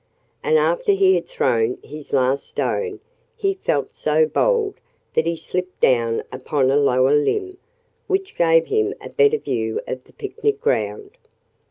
And after he had thrown his last stone he felt so bold that he slipped down upon a lower limb, which gave him a better view of the picnic ground.